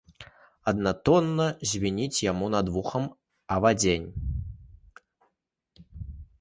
Аднатонна звініць яму над вухам авадзень.